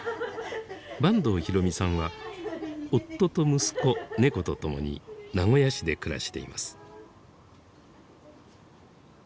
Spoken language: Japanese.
坂東弘美さんは夫と息子猫と共に名古屋市で暮らしています。